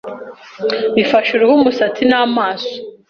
bifasha uruhu, umusatsi n’amaso